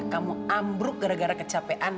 kamu ambruk gara gara kecapean